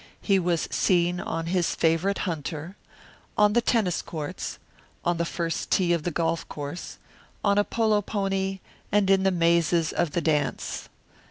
He was seen on his favourite hunter, on the tennis courts, on the first tee of the golf course, on a polo pony, and in the mazes of the dance.